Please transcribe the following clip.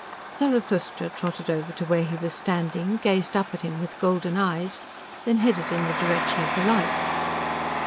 Zarathustra trotted over to where he was standing, gazed up at him with golden eyes, then headed in the direction of the lights.